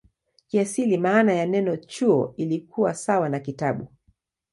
Kiasili maana ya neno "chuo" ilikuwa sawa na "kitabu".